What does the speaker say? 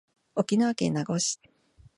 沖縄県名護市